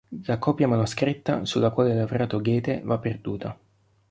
La copia manoscritta sulla quale ha lavorato Goethe va perduta.